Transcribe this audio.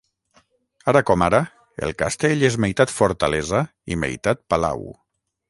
Ara com ara, el castell és meitat fortalesa i meitat palau.